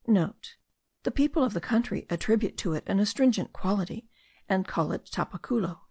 *(* The people of the country attribute to it an astringent quality, and call it tapaculo.)